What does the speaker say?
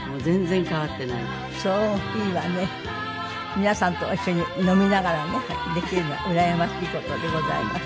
皆さんと一緒に飲みながらねできるのうらやましい事でございます。